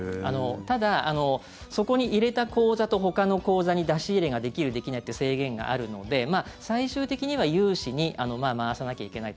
ただ、そこに入れた口座とほかの口座に出し入れができる、できないという制限があるので最終的には融資に回さなきゃいけないと。